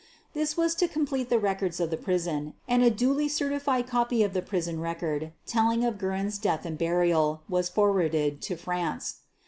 This was to complete the records of the prison, and a dnly certified copy of the prison rec ord, telling of Guerin 's death and burial, was for warded to France.